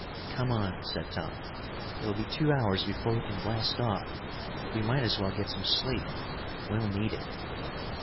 "Come on," said Tom. "It'll be two hours before we can blast off. We might as well get some sleep. We'll need it."